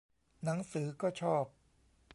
หนังสือก็ชอบ